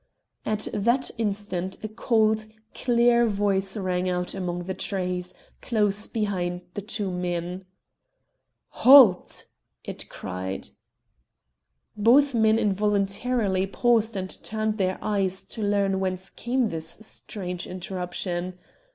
At that instant a cold, clear voice rang out among the trees, close behind the two men. "Halt!" it cried. Both men involuntarily paused and turned their eyes to learn whence came this strange interruption.